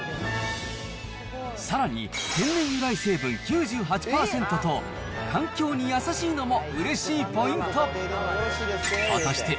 さらに、天然由来成分９８％と、環境に優しいのもうれしいポイント。